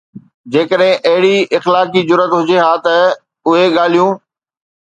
جيڪڏهن اهڙي اخلاقي جرئت هجي ها ته اهي ڳالهيون